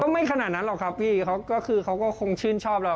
ไม่ขนาดนั้นหรอกครับพี่เขาก็คือเขาก็คงชื่นชอบเรา